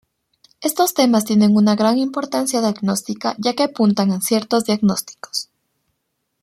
Estos temas tienen una gran importancia diagnóstica ya que apuntan a ciertos diagnósticos.